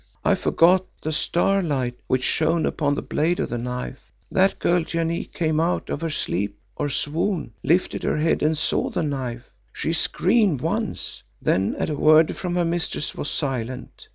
I forgot the starlight which shone upon the blade of the knife. That girl Janee came out of her sleep or swoon, lifted her head and saw the knife. She screamed once, then at a word from her mistress was silent.